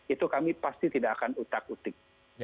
itu kami pasti tidak akan utak utik